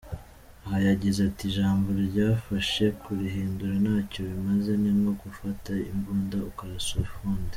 Aha yagize ati “ Ijambo ryafashe kurihindura ntacyo bimaze ni nko gufata imbunda ukarasa ifundi.